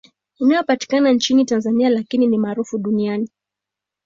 Inayopatikana nchini Tanzania lakini ni maarufu duniani